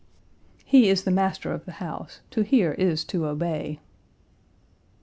He is the master of the house; to hear is to obey.